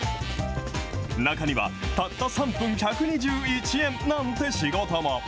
中には、たった３分１２１円なんて仕事も。